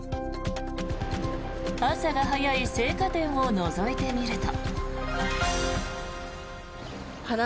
朝が早い生花店をのぞいてみると。